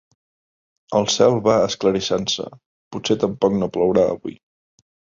El cel va esclarissant-se: potser tampoc no plourà avui.